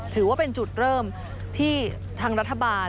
ถือว่าเป็นจุดเริ่มที่ทางรัฐบาล